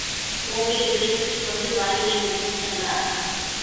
ஒவியர் விடைபெற்றுக் கொண்டு வாயிலை நோக்கிச் சென்றார்.